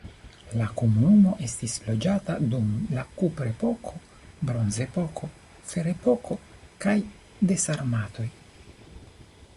La komunumo estis loĝata dum la kuprepoko, bronzepoko, ferepoko kaj de sarmatoj.